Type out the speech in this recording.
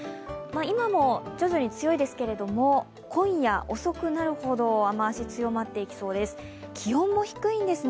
今も徐々に強いですけど、今夜遅くなるほど雨足、強まっていきそうです。